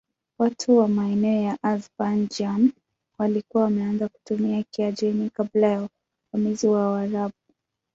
Watu wa maeneo ya Azerbaijan walikuwa wameanza kutumia Kiajemi kabla ya uvamizi wa Waarabu.